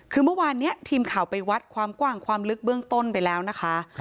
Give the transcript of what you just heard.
คือเมื่อวานนี้ทีมข่าวไปวัดความกว้างความลึกเบื้องต้นไปแล้วนะคะ